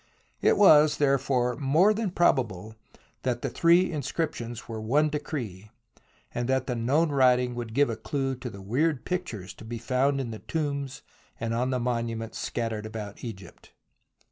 It was, therefore, more than probable that the three inscriptions were one decree, and that the known writing would give a clue to the weird pictures to be found in the tombs and on the monuments scattered about Egypt.